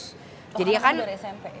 oh kamu dari smp ya